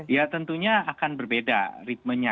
ya tentunya akan berbeda ritmenya